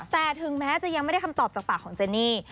แต่ถึงแม้จะยังไม่ได้คำตอบจากปากของเจนี่